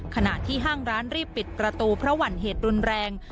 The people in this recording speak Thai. ขณะที่ห้างร้านรีบปิดประตูเพราะหวั่นเหตุรุนแรง